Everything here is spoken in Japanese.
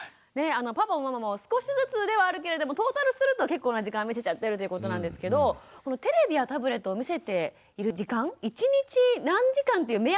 パパママも少しずつではあるけれどもトータルすると結構な時間見せちゃってるってことなんですけどテレビやタブレットを見せている時間一日何時間っていう目安ってあるんですか？